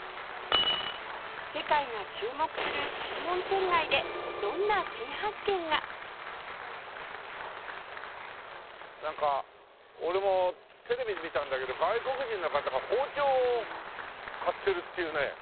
世界が注目する専門店街でどんな新発見が？なんか俺もテレビで見たんだけど外国人の方が包丁を買ってるっていうね。